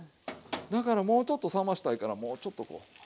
だからもうちょっと冷ましたいからもうちょっとこう。